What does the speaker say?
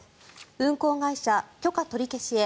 運航会社許可取り消しへ。